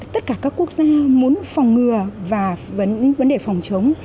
tất cả các quốc gia muốn phòng ngừa và vấn đề phòng chống